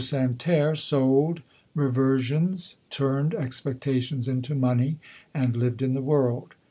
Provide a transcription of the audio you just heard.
Santerre hold reversions, turned expectations into money, and lived in the world.